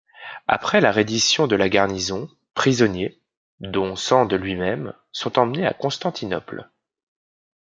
Après la reddition de la garnison, prisonniers, dont Sande lui-même, sont emmenés à Constantinople.